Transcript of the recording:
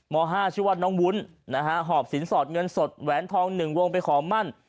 ๕ชื่อว่าน้องวุ้นนะฮะหอบสินสอดเงินสดแหวนทอง๑วงไปขอมั่น